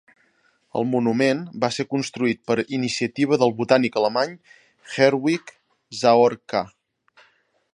El monument va ser construït per iniciativa del botànic alemany, Herwig Zahorka.